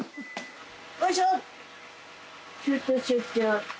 よいしょ！